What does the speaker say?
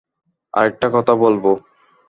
আরেকটা কথা, বলবো?